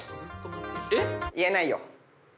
「言えないよ」